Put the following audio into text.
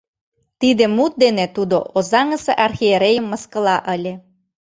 Тиде мут дене тудо Озаҥысе архиерейым мыскыла ыле.